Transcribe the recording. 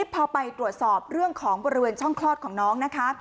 พอไปตรวจสอบเรื่องของบริเวณช่องคลอดของน้องนะคะ